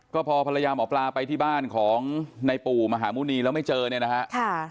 ก็พอภรรยาหมอปลาไปที่บ้านของในปู่มหาหมุณีแล้วไม่เจอเนี่ยนะฮะ